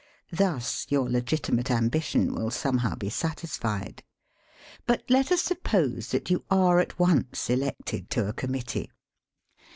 Thus your lej^timate ambition will somehow be satisfied. But let us suppose that you are at once elected to a Committee.